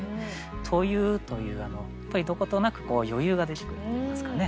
「といふ」というどことなく余裕が出てくるといいますかね。